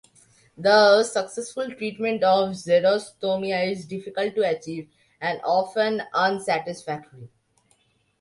The successful treatment of xerostomia is difficult to achieve and often unsatisfactory.